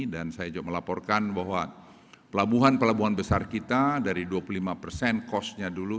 saya juga melaporkan bahwa pelabuhan pelabuhan besar kita dari dua puluh lima persen cost nya dulu